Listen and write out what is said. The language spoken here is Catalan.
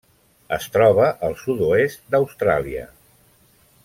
Es troba al sud-oest d'Austràlia.